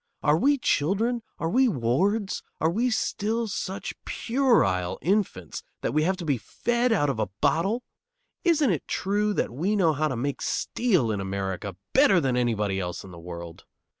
Are we children, are we wards, are we still such puerile infants that we have to be fed out of a bottle? Isn't it true that we know how to make steel in America better than anybody else in the world?